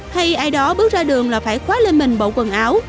hay ai đó bước ra đường là phải khoát lên mình bộ quần áo